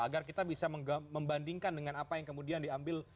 agar kita bisa membandingkan dengan apa yang kemudian diambil